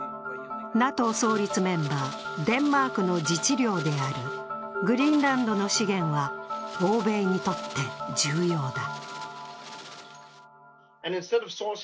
ＮＡＴＯ創立メンバー、デンマークの自治領であるグリーンランドの資源は欧米にとって重要だ。